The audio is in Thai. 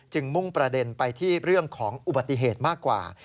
มุ่งประเด็นไปที่เรื่องของอุบัติเหตุมากกว่า